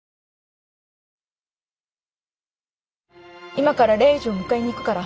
今からレイジを迎えに行くから。